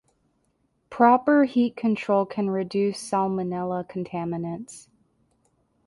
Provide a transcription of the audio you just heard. Proper heat control can reduce salmonella contaminants.